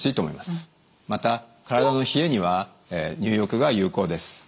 また体の冷えには入浴が有効です。